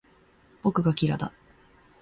僕がキラだ